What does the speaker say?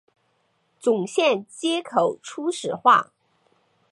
总线接口初始化